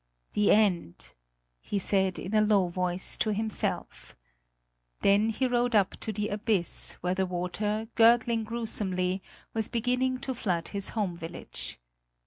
"The end!" he said, in a low voice to himself. Then he rode up to the abyss where the water, gurgling gruesomely, was beginning to flood his home village.